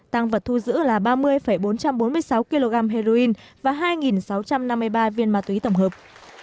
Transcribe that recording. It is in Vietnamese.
tăng vật thu giữ là ba mươi bốn trăm bốn mươi sáu kg heroin và hai sáu trăm năm mươi ba viên ma túy tổng hợp